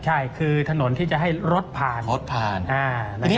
ใช่คือถนนที่จะให้รถผ่าน